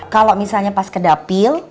kalau misalnya pas ke dapil